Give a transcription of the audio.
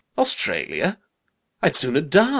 Australia! I'd sooner die.